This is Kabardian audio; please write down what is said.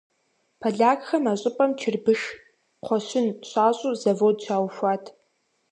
Полякхэм а щӏыпӏэм чырбыш, кхъуэщын щащӏу завод щаухуат.